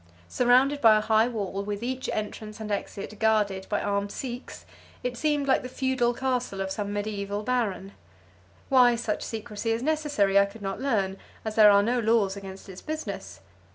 Surrounded by a high wall, with each entrance and exit guarded by armed Sikhs, it seemed like the feudal castle of some medieval baron. Why such secrecy is necessary I could not learn, as there are no laws against its business.